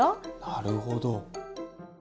なるほど。